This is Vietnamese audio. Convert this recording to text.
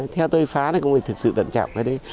theo tôi phá thì cũng phải thực sự tận trọng cái đấy